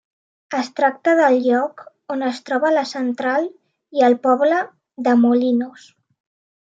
Es tracta del lloc on es troba la central i el poble de Molinos.